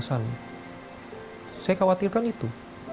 saya khawatirkan itu